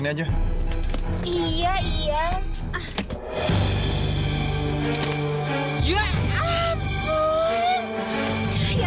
udah duda deh